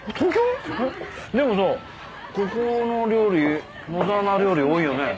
でもさここの料理野沢菜料理多いよね？